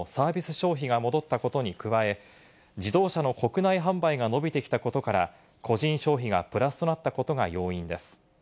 消費が戻ったことに加え、自動車の国内販売が伸びてきたことから、個人消費がプラスとなったことが要因です。